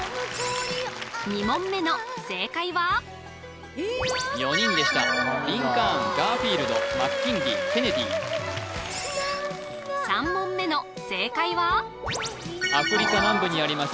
２問目の正解は４人でしたリンカーンガーフィールドマッキンリーケネディ３問目の正解はアフリカ南部にあります